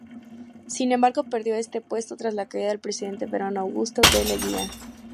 Sin embargo, perdió este puesto tras la caída del presidente peruano Augusto B. Leguía.